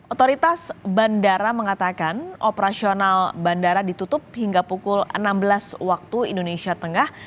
otoritas bandara mengatakan operasional bandara ditutup hingga pukul enam belas waktu indonesia tengah